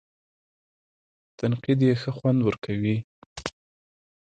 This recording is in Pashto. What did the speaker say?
تنقید یې ښه خوند ورکوي.